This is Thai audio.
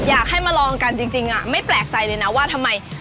อยากให้มาลองกันจริงไม่แปลกใจเลยนะว่าทำไม